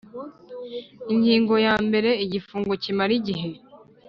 Ingingo ya mbere Igifungo kimara igihe